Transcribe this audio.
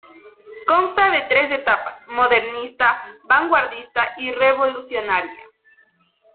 Consta de tres etapas: modernista, vanguardista y revolucionaria.